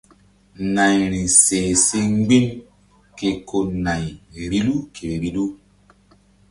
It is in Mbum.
Nayri seh si mgbi̧m ke ko nay vbilu ke vbilu.